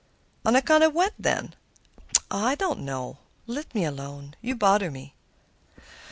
"On account of what, then?" "Oh! I don't know. Let me alone; you bother me."